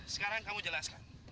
sekarang kamu jelaskan